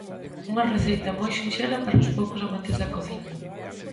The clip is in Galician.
Unha receita moi sinxela para os pouco amantes da cociña.